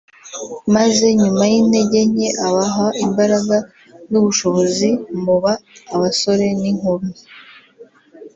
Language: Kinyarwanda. maze nyuma y’intege nke abaha imbaraga n’ubushobozi (muba abasore n’inkumi)